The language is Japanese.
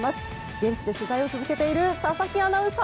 現地で取材を続けている佐々木アナウンサー